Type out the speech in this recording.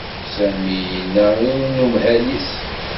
Sami yenna i unemhal-is.